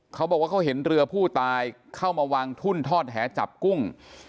เขาบอกว่าเขาเห็นเรือผู้ตายเข้ามาวางทุ่นทอดแหจับกุ้ง